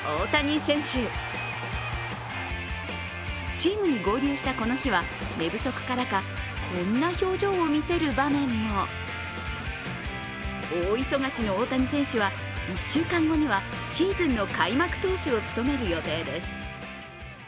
チームに合流したこの日は寝不足からかこんな表情を見せる場面も大忙しの大谷選手は１週間後にはシーズンの開幕投手を務める予定です。